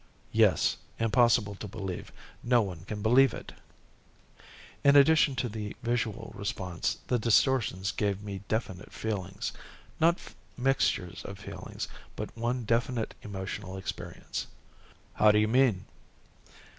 "Yes, impossible to believe. No one can believe it."_ "In addition to the visual response, the distortions gave me definite feelings. Not mixtures of feelings, but one definite emotional experience." "How do you mean?"